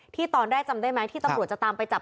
ตอนแรกจำได้ไหมที่ตำรวจจะตามไปจับ